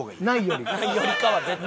ないよりかは絶対。